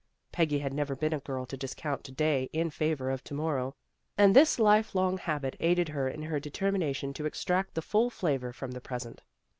Peggy had never been a girl to discount to day in favor of to morrow, and this life long habit aided her in her determination to extract the full flavor from the present.